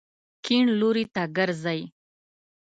کیڼ لوري ته ګرځئ